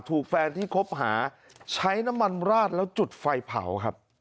ถูกแฟนที่คบหาใช้น้ำมันราดแล้วจุดไฟเผาครับ